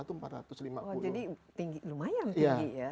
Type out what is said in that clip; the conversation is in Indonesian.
jadi lumayan tinggi ya